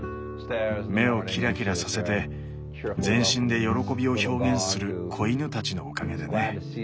目をきらきらさせて全身で喜びを表現する子犬たちのおかげでね。